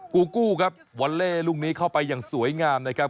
กู้ครับวอลเล่ลูกนี้เข้าไปอย่างสวยงามนะครับ